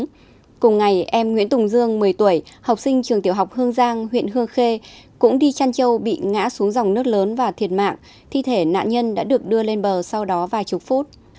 mưa lũ đã khiến chiều qua em nguyễn tùng dương một mươi tuổi học sinh trường tiểu học hương giang huyện hương khê cũng đi chăn châu bị ngã xuống dòng nước lớn và thiệt mạng thi thể nạn nhân đã được đưa lên bờ sau đó vài chục phút